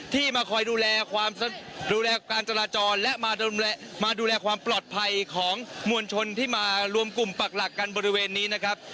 มาคอยดูแลความดูแลการจราจรและมาดูแลความปลอดภัยของมวลชนที่มารวมกลุ่มปักหลักกันบริเวณนี้นะครับ